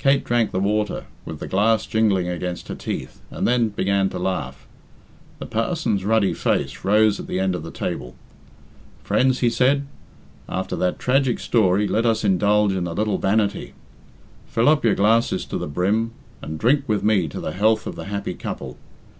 Kate drank the water, with the glass jingling against her teeth, and then began to laugh. The parson's ruddy face rose at the end of the table. "Friends," he said, "after that tragic story, let us indulge in a little vanity. Fill up your glasses to the brim, and drink with me to the health of the happy couple.